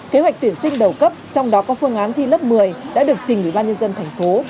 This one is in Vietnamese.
kế hoạch tuyển sinh đầu cấp trong đó có phương án thi lớp một mươi đã được trình ở ban nhân dân thành phố